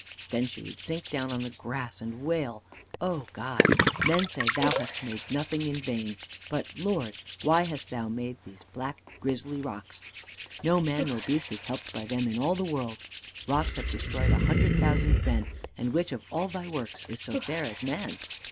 Then she would sink down on the grass and wail: "O God, men say Thou hast made nothing in vain, but, Lord, why hast Thou made these black, grisly rocks? No man nor beast is helped by them in all the world. Rocks have destroyed a hundred thousand men, and which of all Thy works is so fair as man?